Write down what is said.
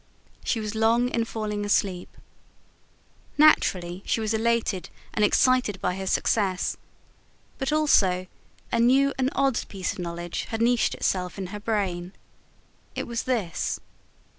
She was long in falling asleep. Naturally, she was elated and excited by her success; but also a new and odd piece of knowledge had niched itself in her brain. It was this.